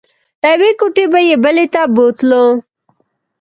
له یوې کوټې به یې بلې ته بوتلو.